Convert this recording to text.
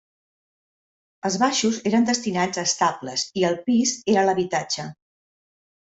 Els baixos eren destinats a estables i el pis era l'habitatge.